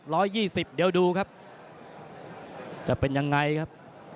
ยี่สิบเดี๋ยวดูครับจะเป็นยังไงครับ